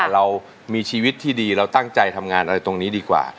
เรามีชีวิตที่ดีเราตั้งใจทำงานอะไรตรงนี้ดีกว่า